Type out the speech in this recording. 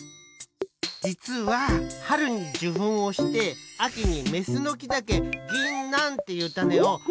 じつははるにじゅふんをしてあきにメスのきだけぎんなんっていうタネをみのらせるんす。